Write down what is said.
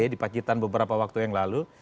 di pacitan beberapa waktu yang lalu